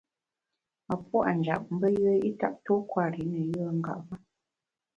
A puâ’ njap mbe yùe i ntap tuo kwer i ne yùe ngap ma.